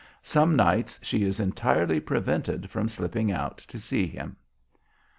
Some nights she is entirely prevented from slipping out to see him."